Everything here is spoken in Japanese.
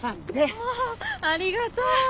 ああありがとう。